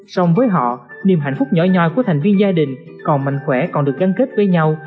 sông với họ niềm hạnh phúc nhỏ nhoi của thành viên gia đình còn mạnh khỏe còn được gắn kết với nhau